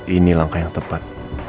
ini langkah yang tepat